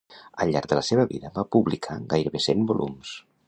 Al llarg de la seva vida va publicar gairebé cent volums.